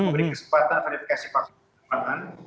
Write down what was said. beri kesempatan verifikasi paksa